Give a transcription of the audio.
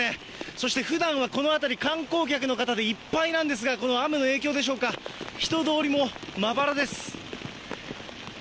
そしてふだんはこの辺り、観光客の方でいっぱいなんですが、この雨の影響でしょうか、人通りもまばらです。